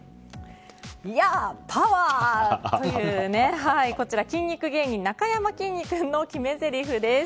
ヤー！パワー！というこちら、筋肉芸人なかやまきんに君の決めぜりふです。